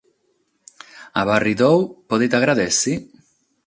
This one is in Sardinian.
A parre tuo podet agradèssere?